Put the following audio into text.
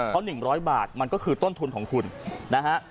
เพราะ๑๐๐บาทมันก็คือต้นทุนของคุณนะฮะ